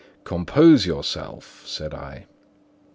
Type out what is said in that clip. "Compose yourself," said I.